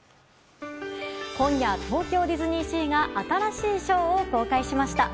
今夜、東京ディズニーシーが新しいショーを公開しました。